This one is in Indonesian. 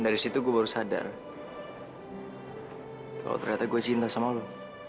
lo iami bersama t tb ireland maja